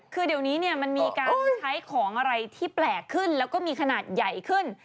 คือเดี๋ยวนี้เนี่ยมันมีการใช้ของอะไรที่แปลกขึ้นแล้วก็มีขนาดใหญ่ขึ้น